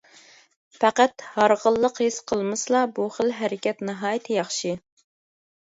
پەقەت ھارغىنلىق ھېس قىلمىسىلا بۇ خىل ھەرىكەت ناھايىتى ياخشى.